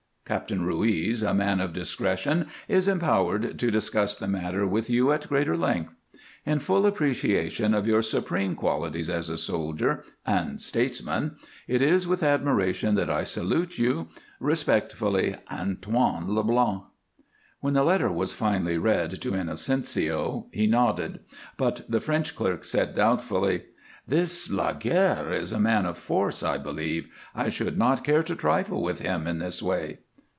Captain Ruiz, a man of discretion, is empowered to discuss the matter with you at greater length. In full appreciation of your supreme qualities as a soldier and statesman, it is with admiration that I salute you. Respectfully, ANTOINE LEBLANC. When the letter was finally read to Inocencio he nodded; but the French clerk said, doubtfully: "This Laguerre is a man of force, I believe. I should not care to trifle with him in this way."